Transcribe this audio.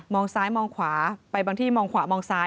ซ้ายมองขวาไปบางที่มองขวามองซ้าย